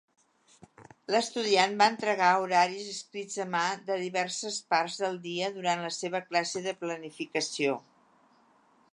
L'estudiant va entregar horaris escrits a mà de diverses parts del dia durant la seva classe de planificació.